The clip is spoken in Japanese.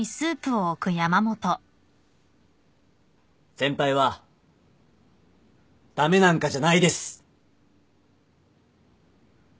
先輩は駄目なんかじゃないです。